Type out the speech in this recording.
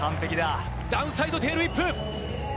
ダウンサイドテールウィップ。